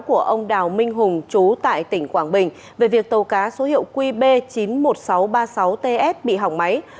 của ông đào minh hùng chú tại tỉnh quảng bình về việc tàu cá số hiệu qb chín mươi một nghìn sáu trăm ba mươi sáu ts bị hỏng máy